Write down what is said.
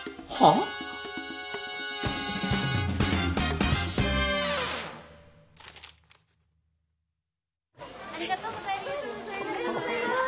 ありがとうございます。